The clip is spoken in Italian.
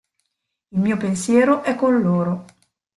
Il mio pensiero è con loro.